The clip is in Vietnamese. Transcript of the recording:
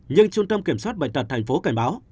nhưng trung tâm kiểm soát bệnh tật thành phố cảnh báo